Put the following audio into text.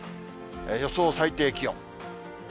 予想最低気温。